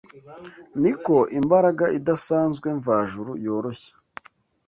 niko imbaraga idasanzwe mvajuru yoroshya